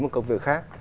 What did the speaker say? một công việc khác